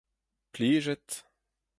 plijet